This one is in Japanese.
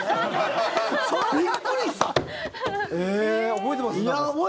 覚えてます。